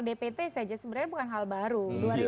dpt saja sebenarnya bukan hal baru